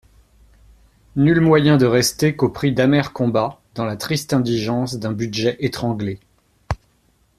Nul moyen de rester qu'au prix d'amers combats, dans la triste indigence d'un budget étranglé.